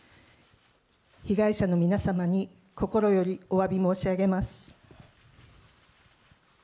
被害者の皆様に心よりおわび申し上げます。